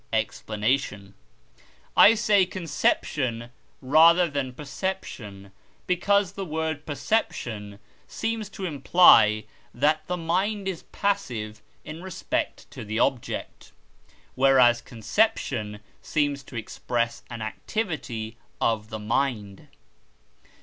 Explanation. I say conception rather than perception, because the word perception seems to imply that the mind is passive in respect to the object; whereas conception seems to express an activity of the mind.